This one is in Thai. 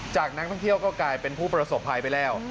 จากนักท่องเที่ยวก็กลายเป็นผู้ประสบภัยไปแล้ว